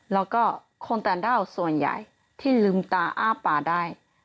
แล้วก็คนต่างด้าวส่วนใหญ่ที่ลืมตาอ้าปากได้